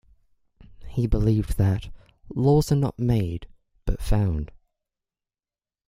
He believed that "laws are not made but found".